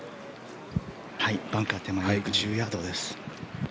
バンカー手前約１０ヤードです。